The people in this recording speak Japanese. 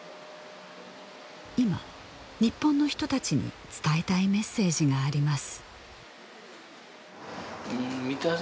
今日本の人達に伝えたいメッセージがあります